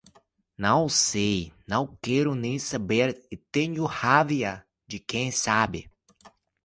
Não sei, não quero nem saber e tenho raiva de quem sabe